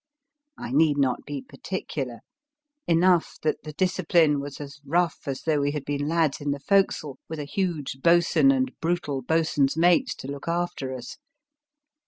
I need not be particular. Enough that the discipline was as rough as though we had been lads in the forecastle, with a huge boat swain and brutal boatswain s mates to look after us.